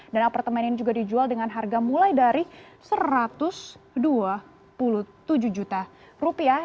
dan apartemen ini juga dijual dengan harga mulai dari satu ratus dua puluh tujuh juta rupiah